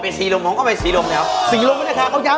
ไปสีโรมผมก็ไปสีโรมเนี้ยสีโรมพันธการเขาย้าย